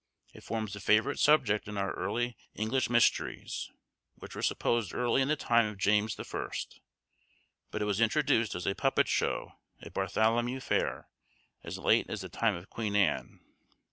It forms a favourite subject in our early English Mysteries, which were suppressed early in the time of James the First; but it was introduced as a puppet show at Bartholomew fair as late as the time of Queen Anne.